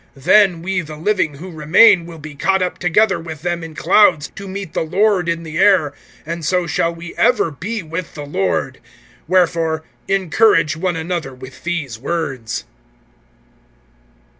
(17)Then we the living, who remain, will be caught up together with them in clouds, to meet the Lord in the air; and so shall we ever be with the Lord. (18)Wherefore, encourage one another with these words.